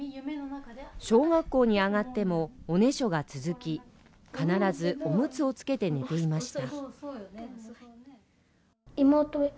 小学校にあがっても、おねしょが続き、必ずおむつをつけて寝ていました。